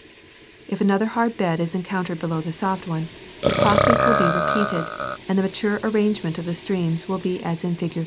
If another hard bed is encountered below the soft one, the process Avill be repeated ; and the mature arrangement of the streams will be as in fig.